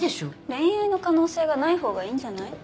恋愛の可能性がないほうがいいんじゃない？